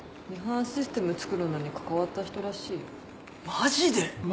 マジで。